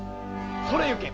それゆけ！